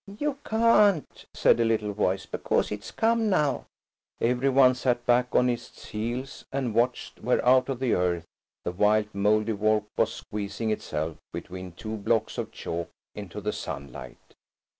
"You can't," said a little voice, "because it's come now." Every one sat back on its heels, and watched where out of the earth the white Mouldiwarp was squeezing itself between two blocks of chalk, into the sunlight.